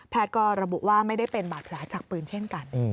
ก็ระบุว่าไม่ได้เป็นบาดแผลจากปืนเช่นกัน